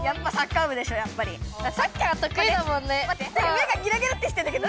目がギラギラッてしてんだけど。